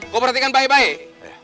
kau perhatikan baik baik